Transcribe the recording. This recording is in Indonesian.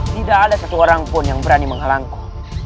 tidak ada satu orang pun yang berani menghalangku